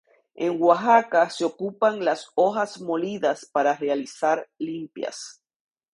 En Oaxaca se ocupan las hojas molidas para realizar limpias.